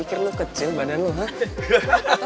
pemuda berbadan gelap